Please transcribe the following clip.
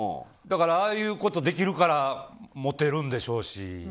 ああいうことできるからモテるんでしょうし。